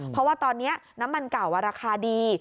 เพราะว่าตอนนี้น้ำมันเก่าราคาดี